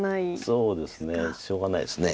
そうですねしょうがないです。